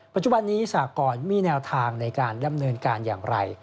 ปัจจุบันนี้สากรมีแนวทางในการดำเนินการอย่างไร